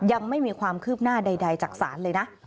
ยังไม่มีความคืบหน้าใดจากศาลเลยนะ